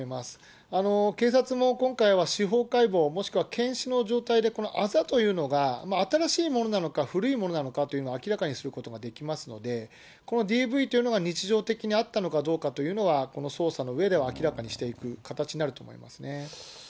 もしくは検視の状態でこのあざというのが新しいものなのか古いものなのかということを明らかにすることができますので、このＤＶというのが日常的にあったのかどうかというのは、この捜査の上では明らかにしていく形になると思いますね。